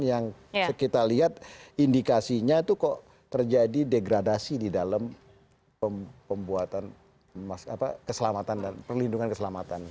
yang kita lihat indikasinya itu kok terjadi degradasi di dalam pembuatan keselamatan dan perlindungan keselamatan